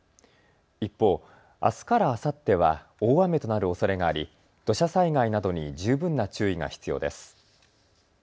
一方、あすからあさっては大雨となるおそれがあり土砂災害などに十分な注意が必要です。